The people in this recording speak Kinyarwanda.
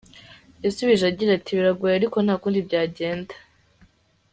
Yasubije agira ati: “Biragoye ariko ntakundi byagenda.